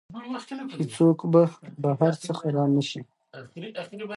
هیڅوک به بهر څخه را نه شي.